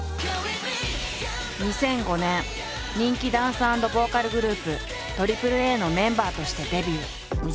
２００５年人気ダンス＆ボーカルグループＡＡＡのメンバーとしてデビュー。